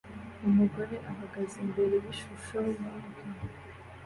Umugore ahagaze imbere yishusho yinka